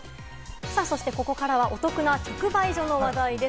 ここからはお得な直売所の話題です。